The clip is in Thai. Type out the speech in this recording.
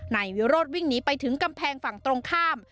นายวิโรธวิ่งหนีไปถึงกำแพงฝั่งตรงข้าม